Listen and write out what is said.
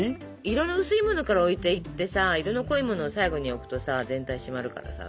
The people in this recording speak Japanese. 色の薄いものから置いていってさ色の濃いものを最後に置くとさ全体締まるからさ。